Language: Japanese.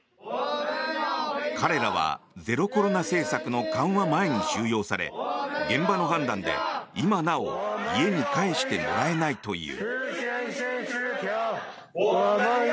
彼らはゼロコロナ政策の緩和前に収容され現場の判断で今なお家に帰してもらえないという。